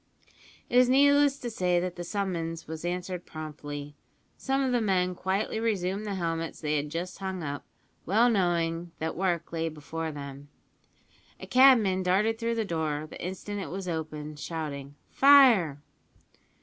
It is needless to say that the summons was answered promptly. Some of the men quietly resumed the helmets they had just hung up, well knowing that work lay before them. A cabman darted through the door the instant it was opened, shouting "Fire!"